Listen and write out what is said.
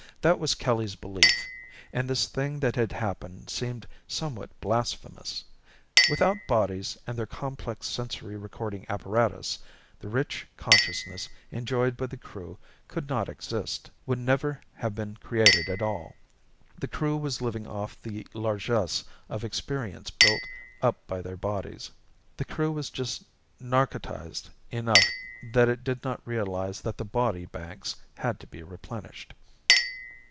That was Kelly's belief, and this thing that had happened seemed somewhat blasphemous. Without bodies and their complex sensory recording apparatus, the rich consciousness enjoyed by the Crew could not exist, would never have been created at all. The Crew was living off the largesse of experience built up by their bodies. The Crew was just narcotized enough that it did not realize that the body banks had to be replenished.